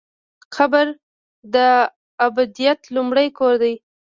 قبر د ابدیت لومړی کور دی؟